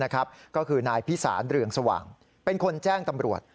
ก็คือนายพิสารเรืองสว่างเป็นคนแจ้งตำรวจ